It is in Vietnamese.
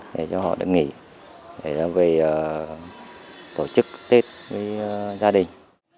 để cho họ được nghỉ để về tổ chức tết với gia đình